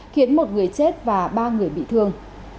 khiến một người chết và ba người bị thương